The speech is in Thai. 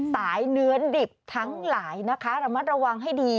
เนื้อดิบทั้งหลายนะคะระมัดระวังให้ดี